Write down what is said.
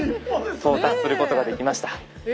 到達することができました。